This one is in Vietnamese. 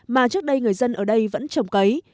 mà trước đây người dân ở đây vẫn trồng cấy